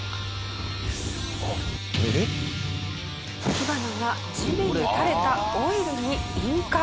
火花が地面に垂れたオイルに引火。